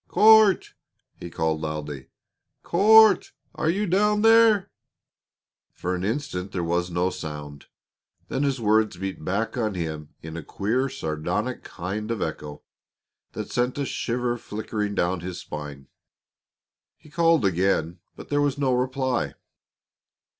"Court!" he called loudly. "Court are you down there?" For an instant there was no sound. Then his words beat back on him in a queer, sardonic kind of echo that sent a shiver flickering down his spine. He called again, but still there was no reply.